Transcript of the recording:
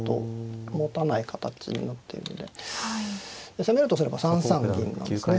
攻めるとすれば３三銀なんですね。